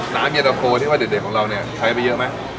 น้ำเย็ดอ่ะโครที่เด็ดของเราใช้ไปเยอะมั้ย